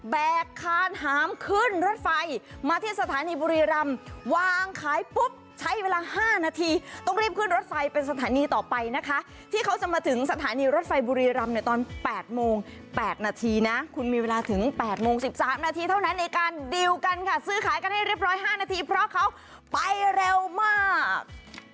คานหามขึ้นรถไฟมาที่สถานีบุรีรำวางขายปุ๊บใช้เวลา๕นาทีต้องรีบขึ้นรถไฟเป็นสถานีต่อไปนะคะที่เขาจะมาถึงสถานีรถไฟบุรีรำในตอน๘โมง๘นาทีนะคุณมีเวลาถึง๘โมง๑๓นาทีเท่านั้นในการดิวกันค่ะซื้อขายกันให้เรียบร้อย๕นาทีเพราะเขาไปเร็วมาก